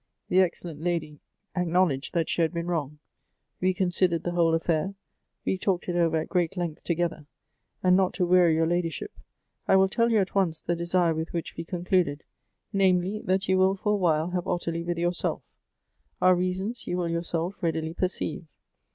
The excellent lady acknowl edged that she had been wrong. We considered the whole afiair ; we talked it over at great length together, and not to weary your ladyship, I will tell you at once the desire with which we concluded, namely, that you will for a while have Ottilie with yourself. Our reasons you will yourself readily perceive.